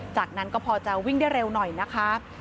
จากนั้นก็พอจะวิ่งได้เร็วหน่อยนะคะ